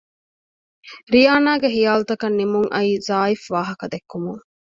ރިޔާނާގެ ހިޔާލުތަކަށް ނިމުން އައީ ޒާއިފް ވާހަކަ ދެއްކުމުން